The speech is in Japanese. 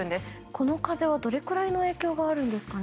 この風はどのくらいの影響があるんですかね。